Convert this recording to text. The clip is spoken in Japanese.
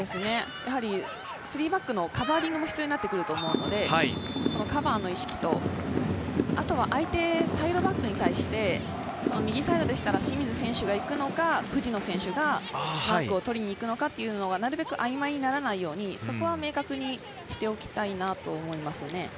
３バックのカバーリングも必要になってくると思うので、カバーの意識と、あとは相手サイドバックに対して、右サイドなら清水選手が行くのか、藤野選手がマークを取りに行くのか曖昧にならないように、そこは明確にしておきたいと思いますね。